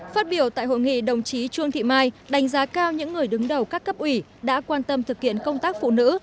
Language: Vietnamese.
phát biểu tại hội nghị đồng chí trương thị mai đánh giá cao những người đứng đầu các cấp ủy đã quan tâm thực hiện công tác phụ nữ